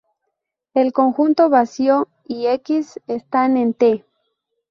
El conjunto vacío y "X" están en "T".